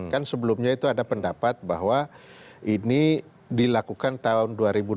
kan sebelumnya itu ada pendapat bahwa ini dilakukan tahun dua ribu dua puluh empat